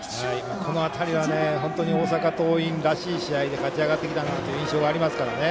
この辺り、本当に大阪桐蔭らしい試合で勝ち上がってきた印象がありますからね。